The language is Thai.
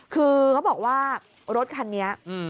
คือเขาบอกว่ารถคันนี้